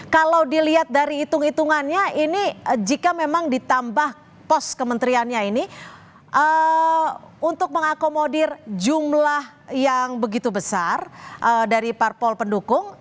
kalau dilihat dari hitung hitungannya ini jika memang ditambah pos kementeriannya ini untuk mengakomodir jumlah yang begitu besar dari parpol pendukung